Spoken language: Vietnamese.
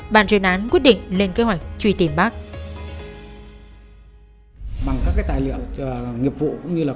bác chính là đầu mối của vấn đề